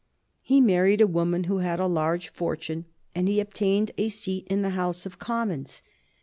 He married a woman who had a large fortune, and he obtained a seat in the House of Commons.